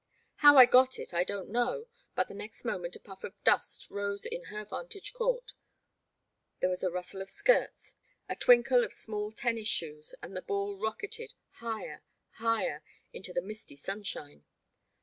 How I got it I don*t know, but the next moment a puff of dust rose in her vantage court, there was a rustle of skirts, a twinkle of small tennis shoes, and the ball rock eted, higher, higher, into the misty sunshine.